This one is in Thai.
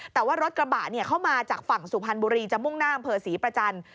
แต่ว่ารถกระบะเข้ามาจากฝั่งสุพรรณบุรีจะมุ่งหน้าอำเภอศรีประจันทร์